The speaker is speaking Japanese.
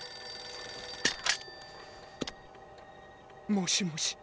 ☎もしもし。